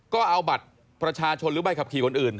ก็เอาบัตรประชาชนหรือใบขับขี่คนอื่น